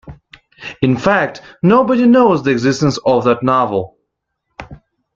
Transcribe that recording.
In fact, nobody knows the existence of that novel.